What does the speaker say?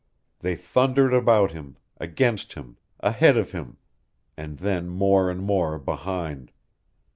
They thundered about him, against him, ahead of him, and then more and more behind.